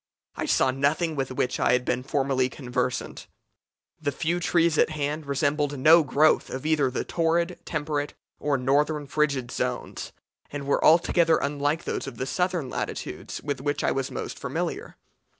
I saw nothing with which I had been formerly conversant. The few trees at hand resembled no growth of either the torrid, temperate, or northern frigid zones, and were altogether unlike those of the southern latitudes with which I was most familiar.